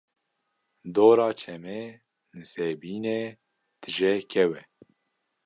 Dora çemê nisêbîne tije kew e.